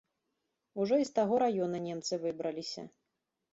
Ужо і з таго раёна немцы выбраліся.